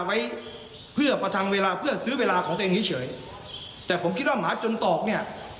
ไว้เพื่อประทังเวลาเพื่อซื้อเวลาของตัวเองเฉยแต่ผมคิดว่าหมาจนตอกเนี่ย